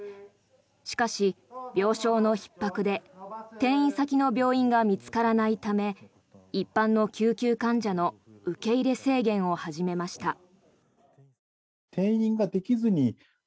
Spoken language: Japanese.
しかし、病床のひっ迫で転院先の病院が見つからないため一般の救急患者の受け入れ制限を始めました。